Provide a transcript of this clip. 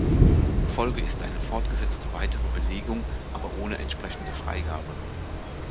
Folge ist eine fortgesetzte weitere Belegung, aber ohne entsprechende Freigabe.